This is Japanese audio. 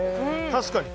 確かに。